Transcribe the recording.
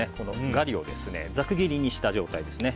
ガリを、ざく切りにした状態です。